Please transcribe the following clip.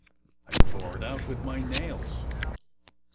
I tore it out with my nails.